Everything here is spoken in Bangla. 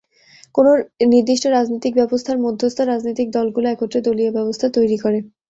কোন নির্দিষ্ট রাজনৈতিক ব্যবস্থার মধ্যস্থ রাজনৈতিক দলগুলো একত্রে দলীয় ব্যবস্থা তৈরি করে।